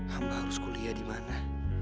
amba harus kuliah di mana